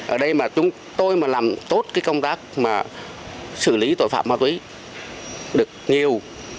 ở đây mà chúng tôi làm tốt công tác xử lý tội phạm ma túy được nhiều